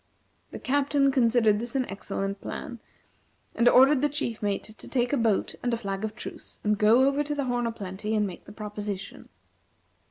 The Captain considered this an excellent plan, and ordered the chief mate to take a boat and a flag of truce, and go over to the "Horn o' Plenty," and make the proposition.